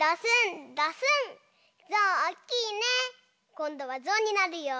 こんどはぞうになるよ。